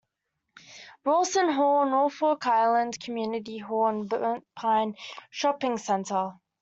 Rawson Hall, Norfolk Island - community hall in The Burnt Pine Shopping Centre.